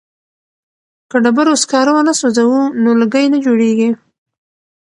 که ډبرو سکاره ونه سوځوو نو لوګی نه جوړیږي.